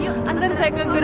ya antar saya ke guru